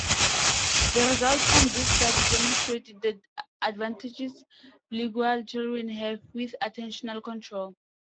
The results from this study demonstrate the advantages bilingual children have with attentional control.